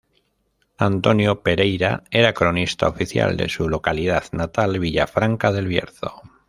Antonio Pereira era cronista oficial de su localidad natal, Villafranca del Bierzo.